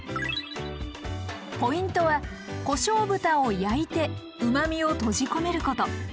ポイントはこしょう豚を焼いてうまみを閉じ込めること。